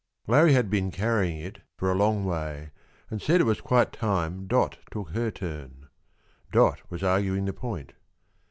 Larrie had been carrying it for a long way, and said it was quite time Dot took her turn. Dot was arguing the point.